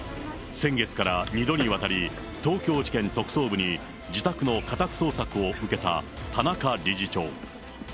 先月から２度にわたり、東京地検特捜部に、自宅の家宅捜索を受けた田中理事長。